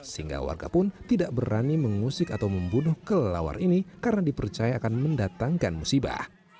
sehingga warga pun tidak berani mengusik atau membunuh kelelawar ini karena dipercaya akan mendatangkan musibah